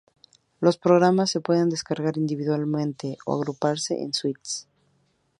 Los programas se pueden descargar individualmente o agruparse en suites.